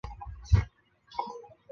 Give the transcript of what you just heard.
曾是中国拳击队员。